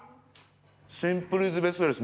シンプルイズベストです